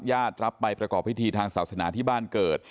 รับไปประกอบพิธีทางศาสนาที่บ้านเกิด